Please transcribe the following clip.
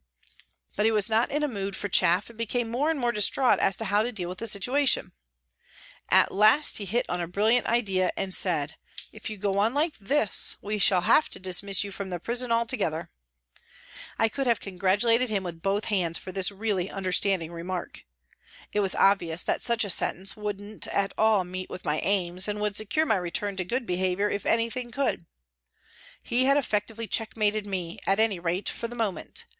But he was not in a mood for chaff and became more and more distraught as to how to deal with the situation. At last he hit on a brilliant idea and said, " If you go on like this we shall have to dismiss you from the prison altogether." I could have congratulated him with both hands for this really understanding remark. It was obvious that such a sentence wouldn't at all meet with my aims, and would secure my return to good behaviour if anything could. He had effectively checkmated me, at any rate for the moment.